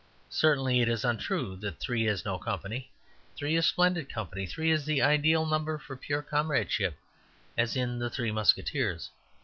Certainly it is untrue that three is no company. Three is splendid company: three is the ideal number for pure comradeship: as in the Three Musketeers.